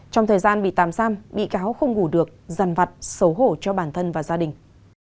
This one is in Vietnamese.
trong thời gian bị tàm giam bị cáo không ngủ được dần vặt xấu hổ cho bản thân và gia đình